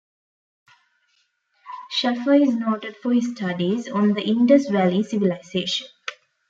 Shaffer is noted for his studies on the Indus Valley Civilization.